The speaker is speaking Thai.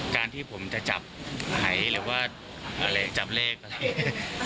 การที่ผมจะจับหายหรือว่าอะไรจับเลขนะครับ